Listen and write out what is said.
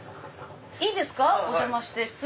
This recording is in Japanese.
いいですかお邪魔して。